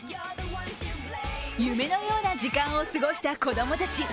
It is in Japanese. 夢のような時間を過ごした子供たち。